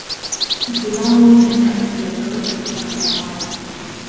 گوڵاو و نهبات له گهڵ سههۆڵاو